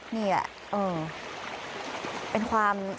นี่แหละเป็นความ